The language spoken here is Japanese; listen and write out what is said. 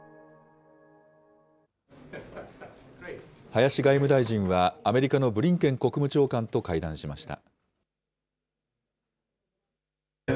林外務大臣はアメリカのブリンケン国務長官と会談しました。